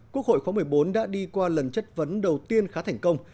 quốc hội khóa một mươi bốn đã đi qua lần chất vấn đầu tiên khá thành công